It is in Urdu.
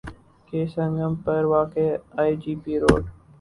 کے سنگم پر واقع آئی جے پی روڈ